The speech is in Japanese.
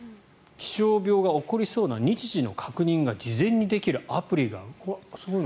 気象病が起こりそうな日時の確認が事前にできるアプリがあると。